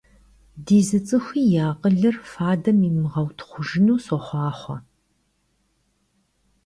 Ди зы цӀыхуи и акъылыр фадэм имыгъэутхъужыну сохъуахъуэ!